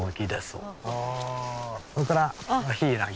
それからヒイラギ。